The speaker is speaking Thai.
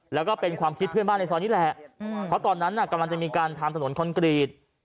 แล้วก็เป็นความคิดเพื่อนบ้านในซอยนี้แหละเพราะตอนนั้นน่ะกำลังจะมีการทำถนนคอนกรีต